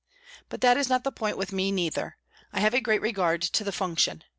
But that is not the point with me neither. I have a great regard to the function.